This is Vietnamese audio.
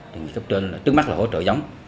đề nghị cấp trên trước mắt là hỗ trợ giống